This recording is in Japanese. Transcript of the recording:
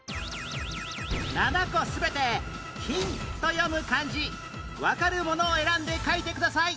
７個全て「きん」と読む漢字わかるものを選んで書いてください